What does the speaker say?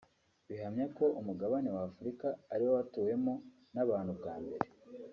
bihamya ko Umugabane wa Afurika ari wo watuwemo n’abantu bwa mbere